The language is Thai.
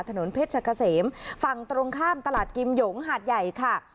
ถนนเพชรกะเสมฝั่งตรงข้ามตลาดกิมหยงหาดใหญ่ค่ะ